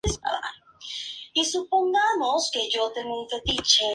Mediante dos ascensores y una escalera se tiene acceso a los pisos superiores.